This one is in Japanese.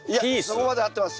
そこまで合ってます。